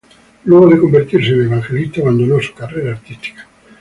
Luego de convertirse en evangelista abandonó su carrera artística.